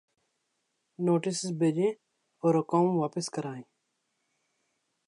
Notices بھیجیں اور رقوم واپس کرائیں۔